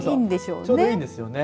ちょうどいいんですよね。